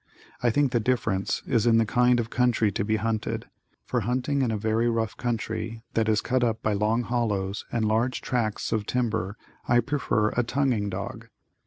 I think the difference is in the kind of country to be hunted, for hunting in a very rough country that is cut up by long hollows and large tracts of timber I prefer a tongueing dog.